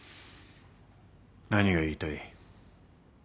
何が言いたい？